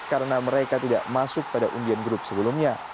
karena mereka tidak masuk pada undian grup sebelumnya